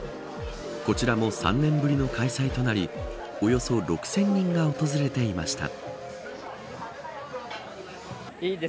こちらも３年ぶりの開催となりおよそ６０００人が訪れていました。